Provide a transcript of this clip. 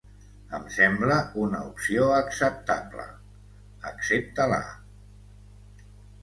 Em sembla una opció acceptable. Accepta-la!